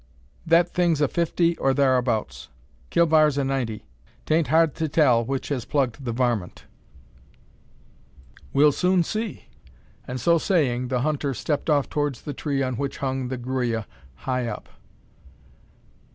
That thing's a fifty or tharabouts; Killbar's a ninety. 'Taint hard to tell which has plugged the varmint. We'll soon see;" and, so saying, the hunter stepped off towards the tree on which hung the gruya, high up.